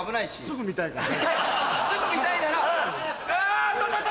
すぐ見たいから。